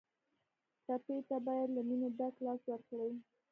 ټپي ته باید له مینې ډک لاس ورکړو.